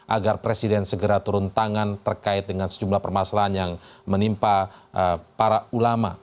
agar presiden segera turun tangan terkait dengan sejumlah permasalahan yang menimpa para ulama